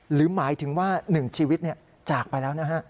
หรือหมายถึงว่าหนึ่งชีวิตจากไปแล้วนะครับ